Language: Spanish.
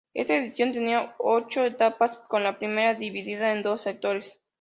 Esta edición tenía ocho etapas, con la primera dividida en dos sectores.